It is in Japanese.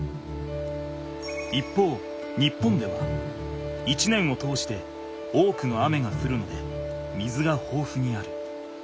一方日本では一年を通して多くの雨がふるので水がほうふにある。